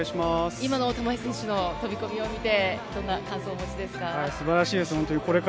今の飛び込みを見て、どんな感想をお持ちですか？